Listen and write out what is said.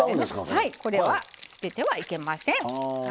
はいこれは捨ててはいけません。